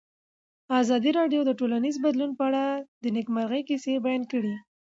ازادي راډیو د ټولنیز بدلون په اړه د نېکمرغۍ کیسې بیان کړې.